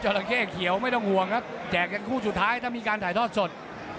ราเข้เขียวไม่ต้องห่วงครับแจกกันคู่สุดท้ายถ้ามีการถ่ายทอดสด